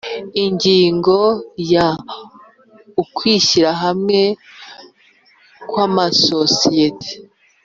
Ingingo ya ukwishyira hamwe kw amasosiyete